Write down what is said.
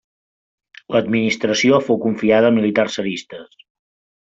L'administració fou confiada a militars tsaristes.